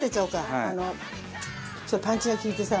パンチが利いてさ。